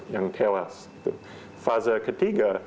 yang tewas fase ketiga